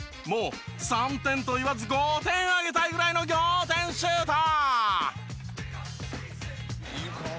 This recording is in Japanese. もう３点と言わず５点あげたいぐらいの仰天シュート！